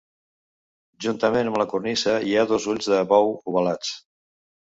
Juntament amb la cornisa hi ha dos ulls de bou ovalats.